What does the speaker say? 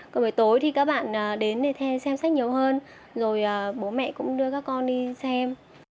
còn buổi tối thì các bạn đến để xem sách nhiều hơn rồi bố mẹ cũng đưa các con đi xem